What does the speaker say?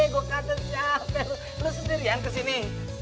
gue kata siapa lo sendiri yang kesini